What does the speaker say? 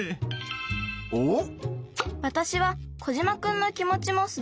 おっ！